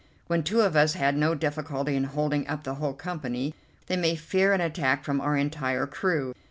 When two of us had no difficulty in holding up the whole company, they may fear an attack from our entire crew.